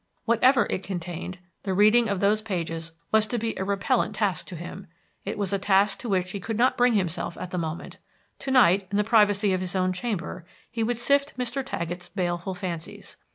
Whatever it contained, the reading of those pages was to be a repellent task to him; it was a task to which he could not bring himself at the moment; to night, in the privacy of his own chamber, he would sift Mr. Taggett's baleful fancies.